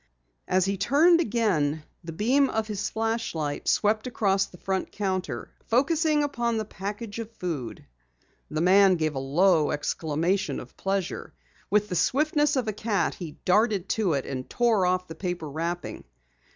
As he turned again, the beam of his flashlight swept across the front counter, focusing upon the package of food. The man gave a low exclamation of pleasure. With the swiftness of a cat he darted to it and tore off the paper wrapping.